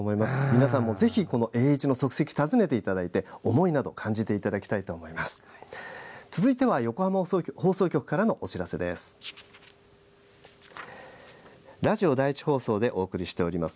皆さんも、ぜひ栄一の足跡訪ねていただいて思いなどを感じていただきたいと思います。